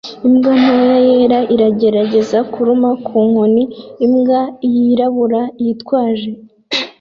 Imbwa ntoya yera iragerageza kuruma ku nkoni imbwa yirabura yitwaje